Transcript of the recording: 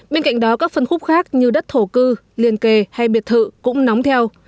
bên cạnh đó các phân khúc khác như đất thổ cư liền kề hay biệt thự cũng nóng theo